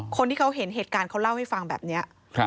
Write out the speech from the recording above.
คนที่เขาเห็นเหตุการณ์เขาเล่าให้ฟังแบบนี้